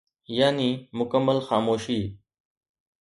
يعني مڪمل خاموشي.